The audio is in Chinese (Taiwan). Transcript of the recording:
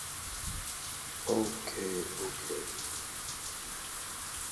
蒐集心理測驗的案例